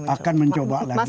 akan mencoba lagi